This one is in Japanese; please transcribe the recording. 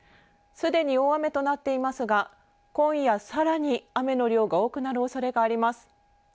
すでに大雨となっていますが今夜さらに雨の量が多くなるおそれがあります。